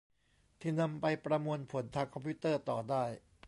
ที่นำไปประมวลผลทางคอมพิวเตอร์ต่อได้